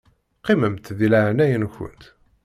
Qqimemt di leɛnaya-nkent.